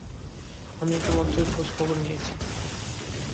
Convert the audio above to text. আমি ইতোমধ্যেই খোঁজখবর নিয়েছি।